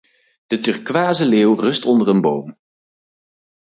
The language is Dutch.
De turquoise leeuw rust onder een boom.